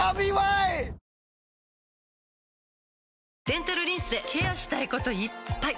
デンタルリンスでケアしたいこといっぱい！